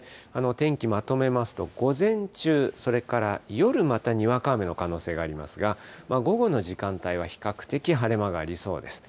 天気まとめますと、午前中、それから夜またにわか雨の可能性がありますが、午後の時間帯は比較的晴れ間がありそうです。